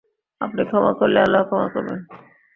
আপনি ক্ষমা করলেই আল্লাহ ক্ষমা করবেন।